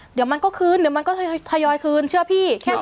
เดี๋ยวมันก็คืนเดี๋ยวมันก็ทยอยคืนเชื่อพี่แค่นั้น